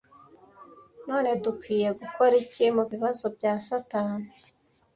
none dukwiye gukora iki mubibazo bya Satani